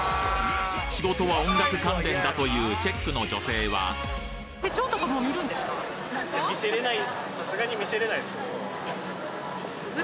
仕事は音楽関連だというチェックの女性は見せれない。